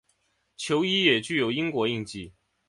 球衣也具有英国印记。